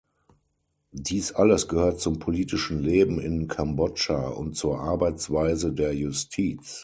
Dies alles gehört zum politischen Leben in Kambodscha und zur Arbeitsweise der Justiz.